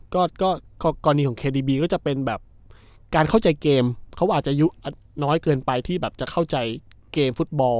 ก็กรณีของเคดีบีก็จะเป็นแบบการเข้าใจเกมเขาอาจจะอายุน้อยเกินไปที่แบบจะเข้าใจเกมฟุตบอล